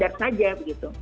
harga standar saja begitu